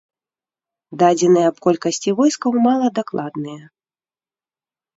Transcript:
Дадзеныя аб колькасці войскаў мала дакладныя.